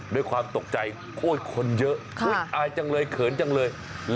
ด้วยความตกใจโคตรคนเยอะอายจังเลยเขินจังเลย